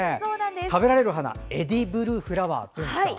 食べられる花エディブルフラワーっていうんですか。